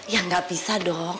ya enggak bisa dong